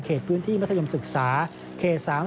พื้นที่มัธยมศึกษาเขต๓๐